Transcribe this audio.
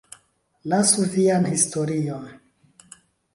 Lasu vian historion!